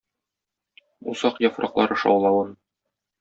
Усак яфраклары шаулавын...